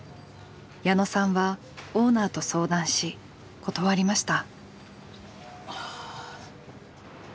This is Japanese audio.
矢野さんはオーナーと相談し断りました。